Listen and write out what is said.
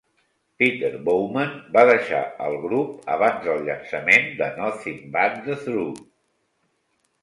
Peter Bowman va deixar el grup abans del llançament de "Nothing But the Truth".